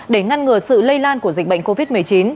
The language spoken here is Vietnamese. để ngăn ngừa sự lây lan của dịch bệnh covid một mươi chín